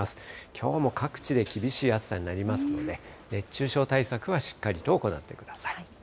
きょうも各地で厳しい暑さになりますので、熱中症対策はしっかりと行ってください。